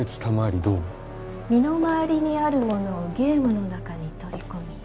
賜りどうも身の回りにあるものをゲームの中に取り込み